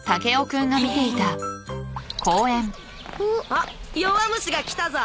あっ弱虫が来たぞ。